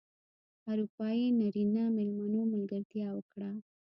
اروپايي نرینه مېلمنو ملګرتیا وکړه.